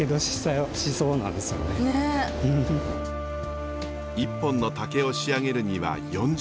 一本の竹を仕上げるには４０分。